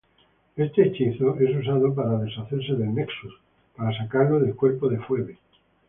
Este hechizo es usado para deshacerse del Nexus, para sacarlo del cuerpo de Phoebe.